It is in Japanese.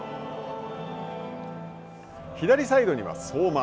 左サイドには相馬。